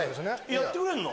やってくれんの？